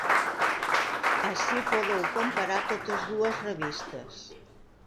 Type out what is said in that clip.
Ací podeu comparar totes dues revistes.